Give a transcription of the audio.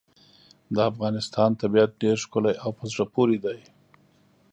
د افغانستان طبیعت ډېر ښکلی او په زړه پورې دی.